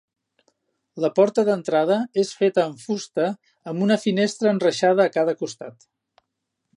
La porta d'entrada és feta en fusta amb una finestra enreixada a cada costat.